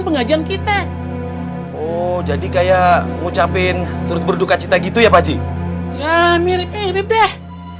pengajian kita oh jadi kayak mengucapkan turut berdukacita gitu ya pakcik ya mirip mirip deh